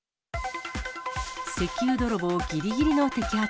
石油泥棒ぎりぎりの摘発。